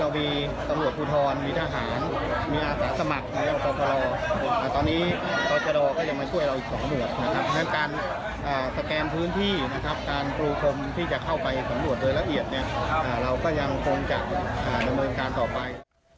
เราก็ยังคงจะดำเนินการต่อไป